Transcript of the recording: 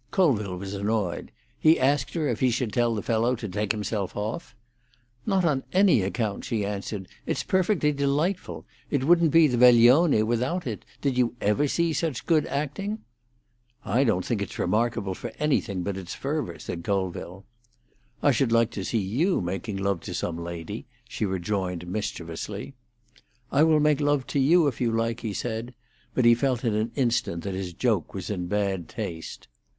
Colville was annoyed. He asked her if he should tell the fellow to take himself off. "Not on any account!" she answered. "It's perfectly delightful. It wouldn't be the veglione without it. Did you ever see such good acting?" "I don't think it's remarkable for anything but its fervour," said Colville. "I should like to see you making love to some lady," she rejoined mischievously. "I will make love to you, if you like," he said, but he felt in an instant that his joke was in bad taste.